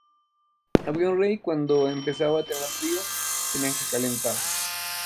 Había un rey que cuando empezaba a tener frío, tenía que calentarse.